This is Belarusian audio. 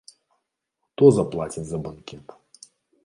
Хто заплаціць за банкет?